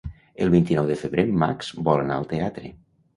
El vint-i-nou de febrer en Max vol anar al teatre.